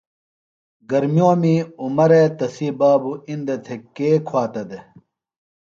گرمیومی عمرے تسی بابُوۡ اِندہ تھےۡ کے کُھواتہ دےۡ؟